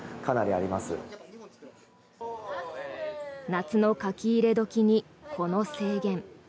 夏の書き入れ時に、この制限。